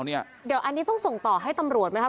เดี๋ยวอันนี้ต้องส่งต่อให้ตำรวจไหมครับ